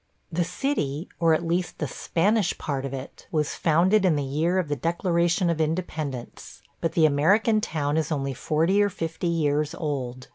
The city, or at least the Spanish part of it, was founded in the year of the Declaration of Independence, but the American town is only forty or fifty years old.